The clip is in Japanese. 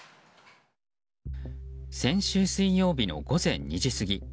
先週水曜日の午前２時過ぎ。